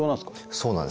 そうなんです。